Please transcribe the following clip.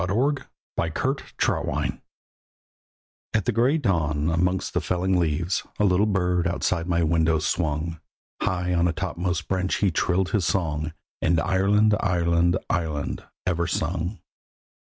A BIRD FROM THE WEST At the grey dawn, amongst the felling leaves, A little bird outside my window swung, High on a topmost branch he trilled his song, And "Ireland! Ireland! Ireland!" ever sung.